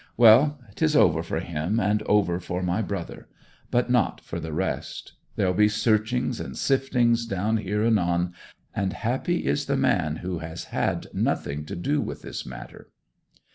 'Well, 'tis over for him and over for my brother. But not for the rest. There'll be searchings and siftings down here anon; and happy is the man who has had nothing to do with this matter!'